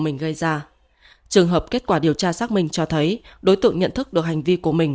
mình gây ra trường hợp kết quả điều tra xác minh cho thấy đối tượng nhận thức được hành vi của mình